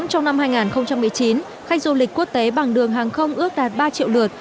riêng tại đà nẵng trong năm hai nghìn một mươi chín khách du lịch quốc tế bằng đường hàng không ước đạt ba triệu lượt